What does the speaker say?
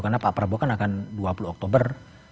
karena pak prabowo kan akan dua puluh oktober